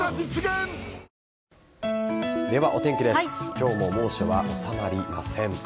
今日も猛暑は収まりません。